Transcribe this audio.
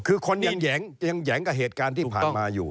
คือคนยังแหงกับเหตุการณ์ที่ผ่านมาอยู่